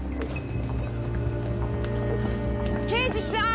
刑事さーん！